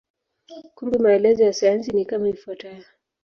Kumbe maelezo ya sayansi ni kama ifuatavyo.